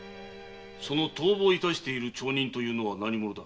その逃亡致しておるという町人とは何者だ？